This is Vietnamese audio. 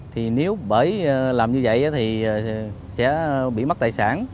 thì nếu bởi làm như vậy thì sẽ bị mất tài sản